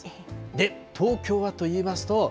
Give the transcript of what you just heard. で、東京はといいますと。